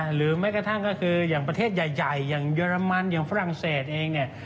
หรือแม้กระทั่งก็คืออย่างประเทศใหญ่อย่างเยอรมันอย่างฝรั่งเศสเองเนี่ย